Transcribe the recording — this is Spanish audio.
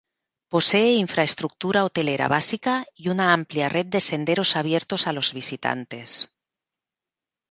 Posee infraestructura hotelera básica y una amplia red de senderos abiertos a los visitantes.